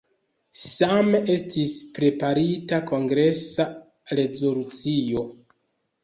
Same estis preparita kongresa rezolucio.